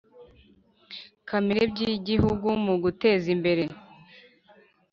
Kamere by igihugu mu guteza imbere